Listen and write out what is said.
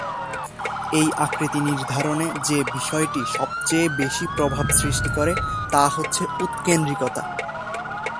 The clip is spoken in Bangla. এই আকৃতি নির্ধারণে যে বিষয়টি সবচেয়ে বেশি প্রভাব সৃষ্টি করে তা হচ্ছে উৎকেন্দ্রিকতা।